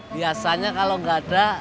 biasanya kalau gak ada